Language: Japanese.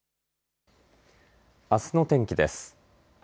あすの天気です。